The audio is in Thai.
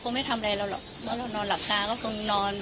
ไม่ทำอะไรเราหรอกเพราะเรานอนหลับตาก็คงนอน